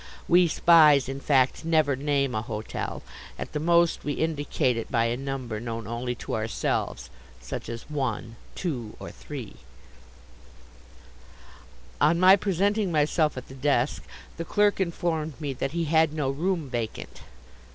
We Spies, in fact, never name a hotel. At the most we indicate it by a number known only to ourselves, such as 1, 2, or 3. On my presenting myself at the desk the clerk informed me that he had no room vacant.